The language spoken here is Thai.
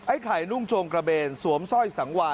ไข่นุ่งโจงกระเบนสวมสร้อยสังวาน